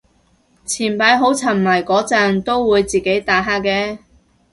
前排好沉迷嗰陣都會自己打下嘅